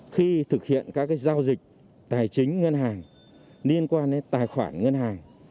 khi thực hiện các giao dịch tài chính ngân hàng liên quan đến tài khoản ngân hàng